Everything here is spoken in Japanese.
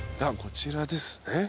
こちらですね。